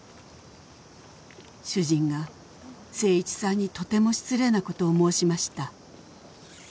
「主人が誠一さんにとても失礼なことを申しました」